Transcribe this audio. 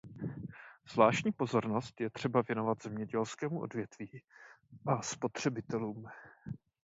Zvláštní pozornost je třeba věnovat zemědělskému odvětví a spotřebitelům.